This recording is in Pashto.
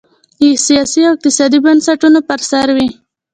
د سیاسي او اقتصادي بنسټونو پر سر وې.